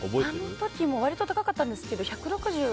あの時、割と高かったんですけど１６０